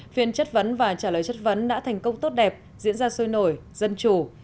phiên chất vấn và trả lời chất vấn đã thành công tốt đẹp diễn ra sôi nổi dân chủ